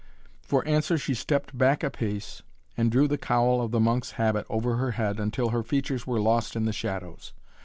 For answer she stepped back a pace and drew the cowl of the monk's habit over her head until her features were lost in the shadows.